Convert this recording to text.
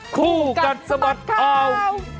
คู่กันสมัติข่าว